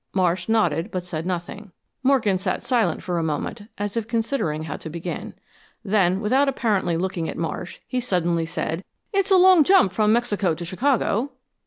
Marsh nodded but said nothing. Morgan sat silent for a moment, as if considering how to begin. Then, without apparently looking at Marsh, he suddenly said, "It's a long jump from Mexico to Chicago."